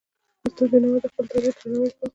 استاد بينوا د خپل تاریخ درناوی کاوه.